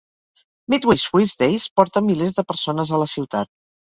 Midway Swiss Days porta milers de persones a la ciutat.